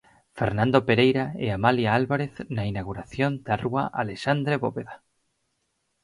Fernando Pereira e Amalia Álvarez na inauguración da rúa Alexandre Bóveda.